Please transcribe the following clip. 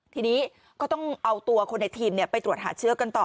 ทีนี้ก็ต้องเอาตัวคนในทีมไปตรวจหาเชื้อกันต่อ